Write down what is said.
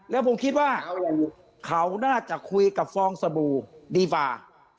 แล้วผมคิดว่าเขาน่าจะคุยกับฟองสบู่ดีฟา